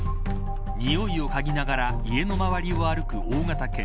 においを嗅ぎながら家の周りを歩く大型犬。